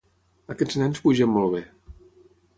Aquests nens pugen molt bé.